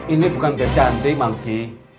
ini bukan biar cantik mamski